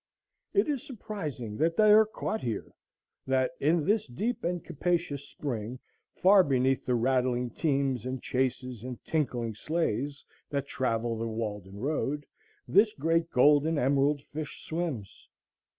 It is surprising that they are caught here,—that in this deep and capacious spring, far beneath the rattling teams and chaises and tinkling sleighs that travel the Walden road, this great gold and emerald fish swims.